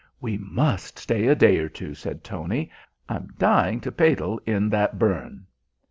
"We must stay a day or two," said Tony. "I'm dying to paidle in that burn."